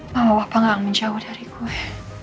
mama wapak gak akan menjauh dari gue